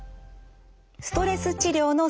ストレス治療の専門家